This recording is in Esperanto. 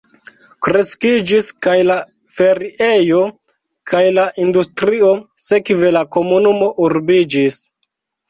Kreskiĝis kaj la feriejo, kaj la industrio, sekve la komunumo urbiĝis.